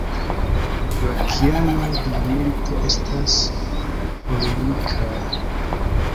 La kialoj de la milito estas polemikaj.